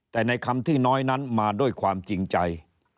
แต่ในคำที่น้อยนั้นมาด้วยความจริงใจ